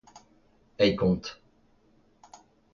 eikont